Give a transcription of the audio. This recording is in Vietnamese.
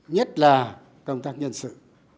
nhất là công tác nhân sự